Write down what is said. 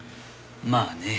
まあね。